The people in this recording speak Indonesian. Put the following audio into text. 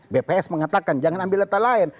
bps mengatakan jangan ambil data lain